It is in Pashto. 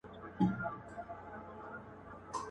شیخ لا هم وو په خدمت کي د لوی پیر وو.